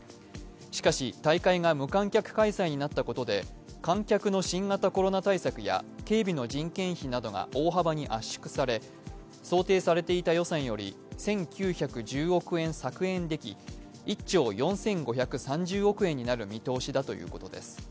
しかし、大会が無観客開催になったことで観客の新型コロナ対策や警備の人件費などが大幅に圧縮され想定されていた予算より１９１０億円削減でき、１兆４５３０億円になる見通しだということです。